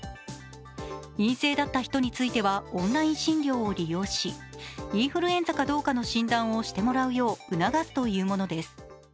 陰性だった人についていはオンライン診療を利用しインフルエンザかどうかの診断をしてもらうよう促すというものです。